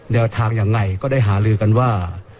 แนวทางยังไงก็ได้หาลือกันว่า